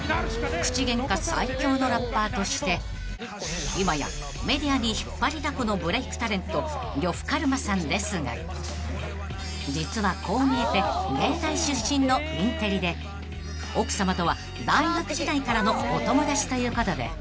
［口ゲンカ最強のラッパーとして今やメディアに引っ張りだこのブレークタレント呂布カルマさんですが実はこう見えて芸大出身のインテリで奥さまとは］